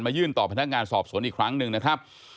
ยื่นต่อพนักงานสอบสวนอีกครั้งหนึ่งนะครับ